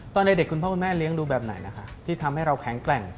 ตอนเด็กคุณพ่อคุณแม่เลี้ยงดูแบบไหนนะคะที่ทำให้เราแข็งแกร่ง